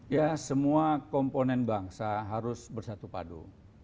ya semua komponen bangsa harus bersatu padu